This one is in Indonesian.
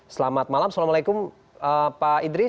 selamat malam assalamualaikum pak idris